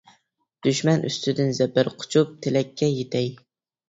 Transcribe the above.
دۈشمەن ئۈستىدىن زەپەر قۇچۇپ تىلەككە يېتەي.